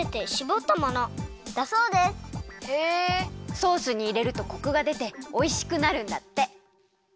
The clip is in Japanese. ソースにいれるとコクがでておいしくなるんだって。